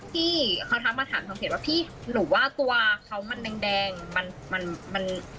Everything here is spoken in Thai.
ที่เขาทักมาถามทางเพจว่าพี่หนูว่าตัวเขามันแดงมันมัน